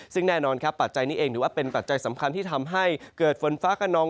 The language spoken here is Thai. ซึ่งแน่นอนครับปัจจัยนี้เองถือว่าเป็นปัจจัยสำคัญที่ทำให้เกิดฝนฟ้าขนอง